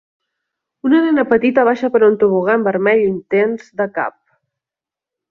Una nena petita baixa per un tobogan vermell intens de cap.